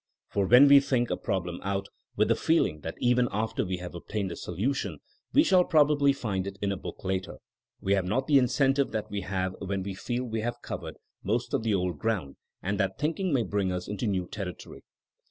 For when we think a problem out, with the feeling that even after we have obtained a solution we shall probably find it in a book later, we have not the incentive that we have when we feel we have covered most of 4 Essay On Thinking for Oneself, THINKING AS A SCIENCE 149 the old ground and that thinking may bring us into new territory.